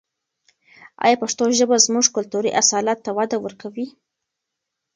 آیا پښتو ژبه زموږ کلتوري اصالت ته وده ورکوي؟